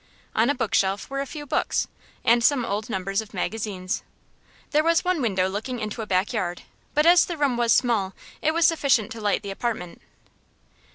On a book shelf were a few books, and some old numbers of magazines. There was one window looking into a back yard, but as the room was small it was sufficient to light the apartment.